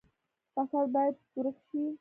فساد باید ورک شي